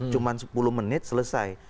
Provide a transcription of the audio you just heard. cuma sepuluh menit selesai